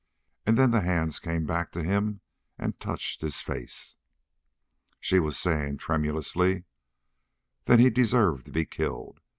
And then the hands came back to him and touched his face. She was saying tremulously: "Then he deserved to be killed.